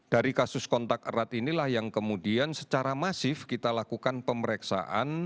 dari kasus kontak erat inilah yang kemudian secara masif kita lakukan pemeriksaan